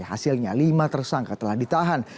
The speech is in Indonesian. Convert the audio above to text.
hasilnya lima tersangka telah ditahan